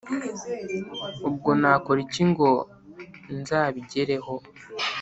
ubwo nakora iki ngo nzabigereho?